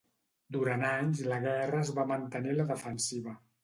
Durant anys la guerra es va mantenir a la defensiva.